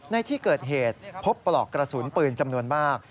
ในที่เกิดเหตุพบปลอกกระสุนปืนจำนวนมาก